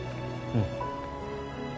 うん。